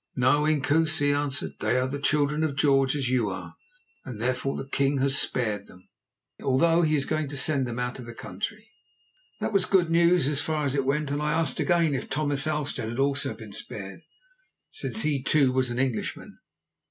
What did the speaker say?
"No, Inkoos," he answered; "they are of the Children of George, as you are, and therefore the king has spared them, although he is going to send them out of the country." This was good news, so far as it went, and I asked again if Thomas Halstead had also been spared, since he, too, was an Englishman.